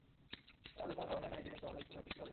তোমাদের কোন ধারণাই নাই যে তোমাদের পরিণতি কী হবে।